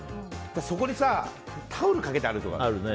そこでタオルかけてあるじゃん。